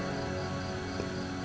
yang dia tidak kenal sama apa